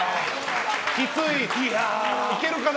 きついね！